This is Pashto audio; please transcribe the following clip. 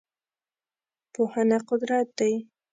پوهنه قدرت دی.